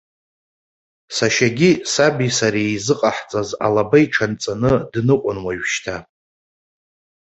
Сашьагьы, саби сареи изыҟаҳҵаз алаба иҽанҵаны дныҟәон уажәшьҭа.